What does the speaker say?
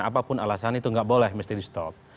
apapun alasan itu nggak boleh mesti di stop